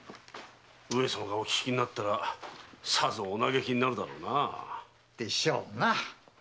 上様がお聞きになったらさぞお嘆きになるだろうなあ。でしょうな。